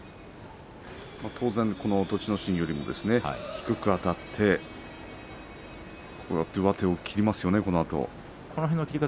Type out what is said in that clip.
当然、栃ノ心よりも低くあたって上手を切りますよね。